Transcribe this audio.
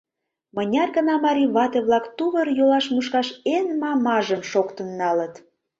Мыняр-гына марий вате-влак тувыр-йолаш мушкаш эн мамажым шоктын налыт.